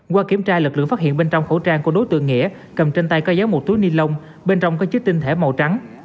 qua kiểm tra lực lượng phát hiện bên trong khẩu trang của đối tượng nghĩa cầm trên tay có giấu một túi ni lông bên trong có chứa tinh thể màu trắng